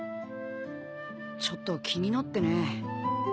ちょっと気になってね。